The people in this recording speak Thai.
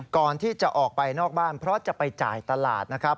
ก่อนที่จะออกไปนอกบ้านเพราะจะไปจ่ายตลาดนะครับ